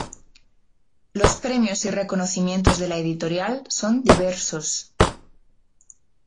Los premios y reconocimientos de la editorial son diversos.